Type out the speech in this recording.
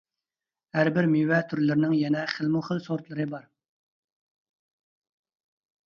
ھەربىر مېۋە تۈرلىرىنىڭ يەنە خىلمۇ خىل سورتلىرى بار.